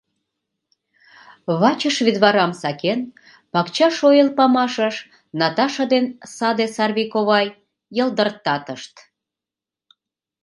Вачыш вӱдварам сакен, пакча шойыл памашыш Наташа ден саде Сарвий ковай йылдыртатышт.